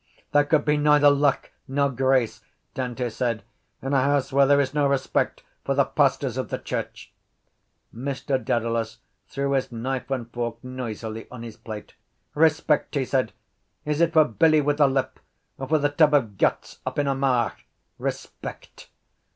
—There could be neither luck nor grace, Dante said, in a house where there is no respect for the pastors of the church. Mr Dedalus threw his knife and fork noisily on his plate. —Respect! he said. Is it for Billy with the lip or for the tub of guts up in Armagh? Respect!